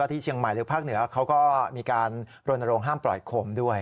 ที่เชียงใหม่หรือภาคเหนือเขาก็มีการรณรงค์ห้ามปล่อยโคมด้วย